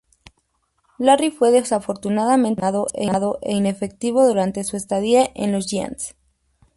Larry fue desafortunadamente lesionado e inefectivo durante su estadía en los Giants.